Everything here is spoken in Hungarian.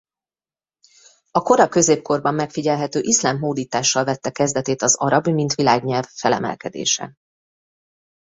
A kora középkorban megfigyelhető iszlám hódítással vette kezdetét az arab mint világnyelv felemelkedése.